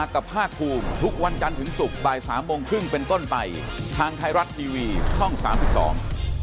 คนจีนไม่ต้องการ